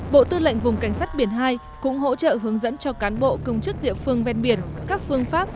bộ tư lệnh vùng cảnh sát biển hai cũng hỗ trợ hướng dẫn cho cán bộ công chức địa phương ven biển các phương pháp